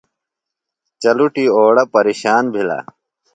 چلُٹیۡ اوڑہ پریشان بِھلہ۔